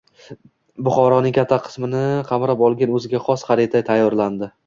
Buxoroning katta qismini qismini qamrab olgan o‘ziga xos xarita tayyorlandi